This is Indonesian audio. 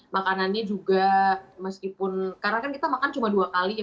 makanannya juga meskipun karena kan kita makan cuma dua kali ya